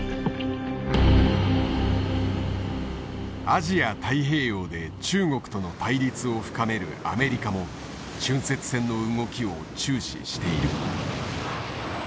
アジア太平洋で中国との対立を深めるアメリカも浚渫船の動きを注視している。